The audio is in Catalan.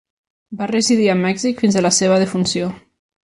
Va residir a Mèxic fins a la seva defunció.